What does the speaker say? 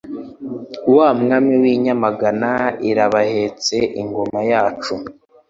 Wa Mwami w' i Nyamagana.Irabahetse Ingoma yacu,